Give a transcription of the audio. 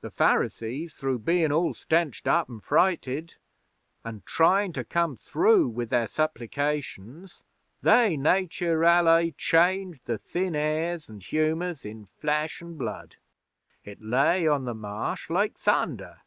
The Pharisees through bein' all stenched up an' frighted, an' trying' to come through with their supplications, they nature ally changed the thin airs an' humours in Flesh an' Blood. It lay on the Marsh like thunder.